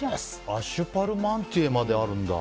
アッシュパルマンティエまであるんだ！